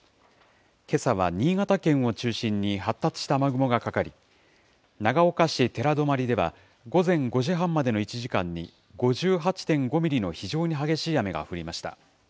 けさは新潟県を中心に発達した雨雲がかかり、長岡市寺泊では、午前５時半までの１時間に５８．５ミリの非常に激しい雨が降りました。